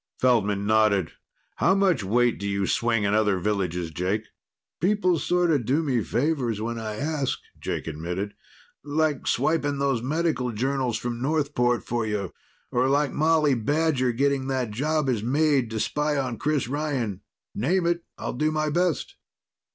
Feldman nodded. "How much weight do you swing in other villages, Jake?" "People sort of do me favors when I ask," Jake admitted. "Like swiping those medical journals from Northport for you, or like Molly Badger getting that job as maid to spy on Chris Ryan. Name it and I'll do my best."